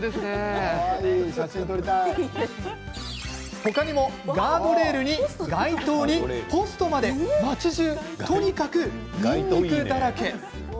他にもガードレール、街灯ポストにまで、町じゅうとにかく、にんにくだらけ。